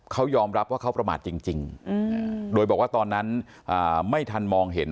เขายอมรับว่าเขาประมาทจริงโดยบอกว่าตอนนั้นไม่ทันมองเห็น